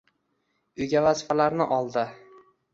Uyga vazifalarni oldi